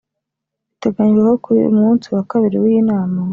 Biteganyijwe ko ku munsi wa kabiri w’iyi nama